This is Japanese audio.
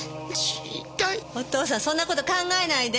お父さんそんな事考えないで。